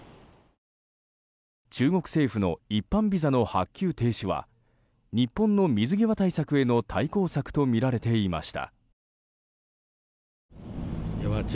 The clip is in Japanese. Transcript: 中国政府の一般ビザの発給停止は日本の水際対策への対抗策とみられていました。